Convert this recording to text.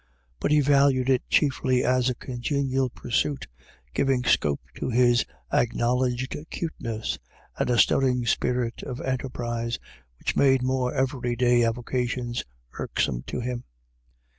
But he valued it chiefly as a congenial pursuit giving scope to his acknowledged cuteness and a stirring spirit of enterprise, which made more everyday avocations irksome to him.